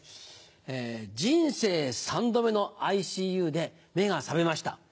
「人生３度目のＩＣＵで目が覚めました。